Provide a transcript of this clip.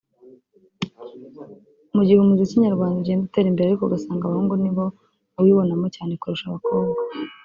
Mu gihe umuziki nyarwanda ugenda utera imbere ariko ugasanga abahungu ni bo bawibonamo cyane kurusha abakobwa